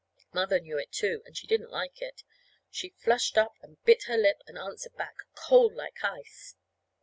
Mother knew it, too; and she didn't like it. She flushed up and bit her lip, and answered back, cold, like ice.